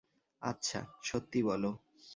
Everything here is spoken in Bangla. আচ্ছা, সত্যি বলো।